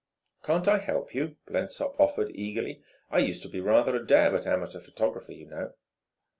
"Can't I help you?" Blensop offered eagerly. "I used to be rather a dab at amateur photography, you know."